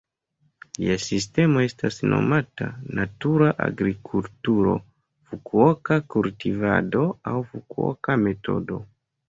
Lia sistemo estas nomata "natura agrikulturo", "Fukuoka-kultivado" aŭ "Fukuoka-Metodo".